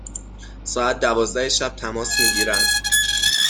ساعت دوازده شب تماس می گیرند،